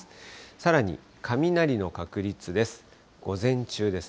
さらに雷の確率です。